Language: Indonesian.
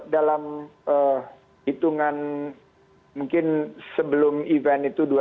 dalam hitungan mungkin sebelum event itu